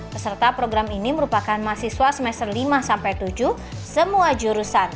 peserta program ini merupakan mahasiswa semester lima tujuh semua jurusan